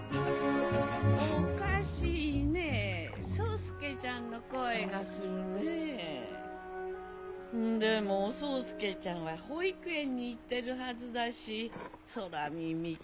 ・おかしいねぇ宗介ちゃんの声がするねぇ・でも宗介ちゃんは保育園に行ってるはずだし空耳かなぁ。